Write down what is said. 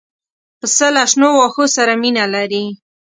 پسه له شنو واښو سره مینه لري.